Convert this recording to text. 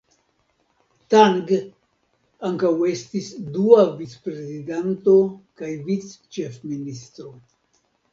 Tang ankaŭ estis dua vicprezidanto kaj vicĉefministro.